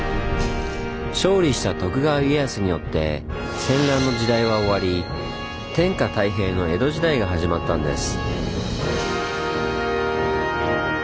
勝利した徳川家康によって戦乱の時代は終わり天下太平の江戸時代が始まったんです。